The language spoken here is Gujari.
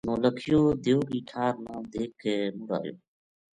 نو لکھیو دیو کی ٹھا ر نا دیکھ کے مڑ ایو